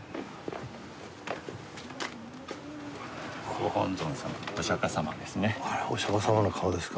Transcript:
ご本尊様お釈迦様ですね。